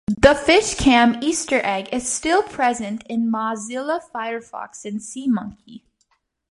The Fishcam easter egg is still present in Mozilla Firefox and SeaMonkey.